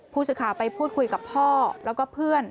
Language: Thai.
ผู้สื่อข่าวไปพูดคุยกับพ่อแล้วก็เพื่อน